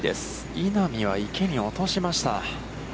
稲見は、池に落としました。